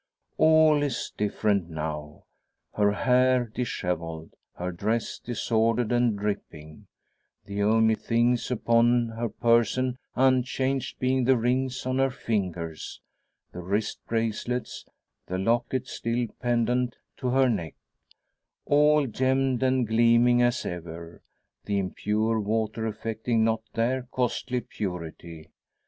All is different now; her hair dishevelled, her dress disordered and dripping, the only things upon her person unchanged being the rings on her fingers, the wrist bracelets, the locket still pendant to her neck all gemmed and gleaming as ever, the impure water affecting not their costly purity.